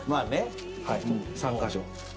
３カ所。